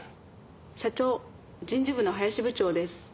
社長人事部の林部長です。